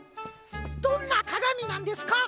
どんなかがみなんですか？